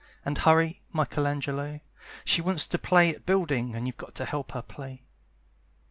And hurry, Michelangelo! She wants to play at building, And you've got to help her play!"